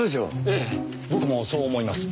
ええ僕もそう思います。